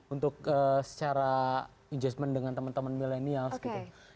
untuk secara adjustment dengan teman teman milenials gitu